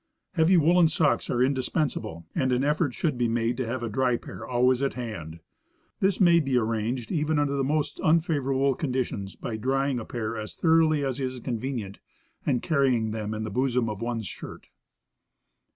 Heavy woolen socks are in dispensable, and an effort should be made to have a dry pair always at hand. This may be arranged, even under the most unfavorable conditions, by drying a pair as thoroughly as is con venient and carrying them in the bosom of one's shirt.